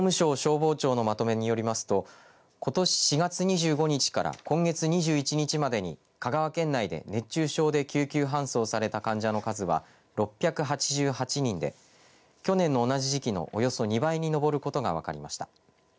総務省消防庁のまとめによりますとことし４月２５日から今月２１日までに香川県内で熱中症で救急搬送された患者の数は６８８人で去年の同じ時期のおよそ２倍に上ることが分かりました。